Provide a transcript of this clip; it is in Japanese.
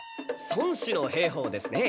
孫子の兵法ですね。